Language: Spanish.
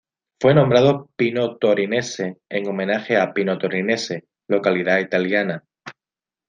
Fue nombrado Pino Torinese en homenaje a Pino Torinese localidad italiana.